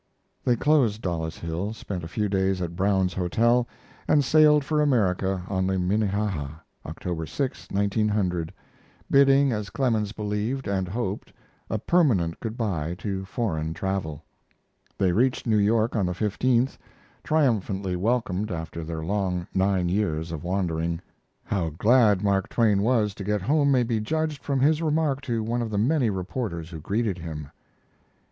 They closed Dollis Hill, spent a few days at Brown's Hotel, and sailed for America, on the Minnehaha, October 6, 1900, bidding, as Clemens believed, and hoped, a permanent good by to foreign travel. They reached New York on the 15th, triumphantly welcomed after their long nine years of wandering. How glad Mark Twain was to get home may be judged from his remark to one of the many reporters who greeted him.